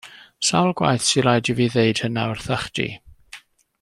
Sawl gwaith sy' raid fi ddeud hynna wrtha chdi?